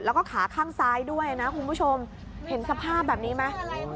แล้วก็ขาข้างซ้ายด้วยนะคุณผู้ชมเห็นสภาพแบบนี้ไหม